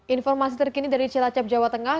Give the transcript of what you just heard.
informasi terkini dari cilacap jawa tengah